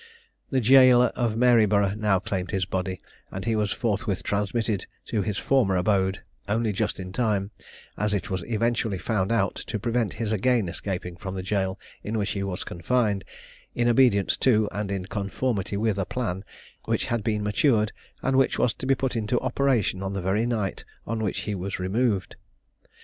The jailor of Maryborough now claimed his body, and he was forthwith transmitted to his former abode, only just in time, as it was eventually found out, to prevent his again escaping from the jail in which he was confined, in obedience to and in conformity with a plan which had been matured, and which was to be put into operation on the very night on which he was removed.